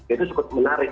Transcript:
itu cukup menarik